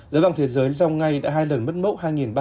giá vàng thế giới trong ngày đã hai lần mất mốc hai ba trăm linh